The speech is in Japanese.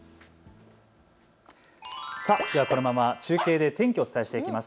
ではこのまま中継で天気をお伝えしていきます。